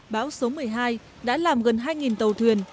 bão số một mươi hai đã làm gần hai tàu thuyền